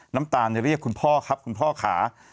น้ำตาลเรียกคุณพ่อครับคุณพ่อขา